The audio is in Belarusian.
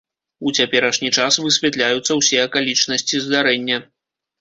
У цяперашні час высвятляюцца ўсе акалічнасці здарэння.